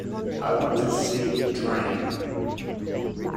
I want to see Train